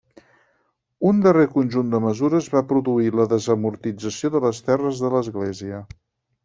Un darrer conjunt de mesures va produir la desamortització de les terres de l'Església.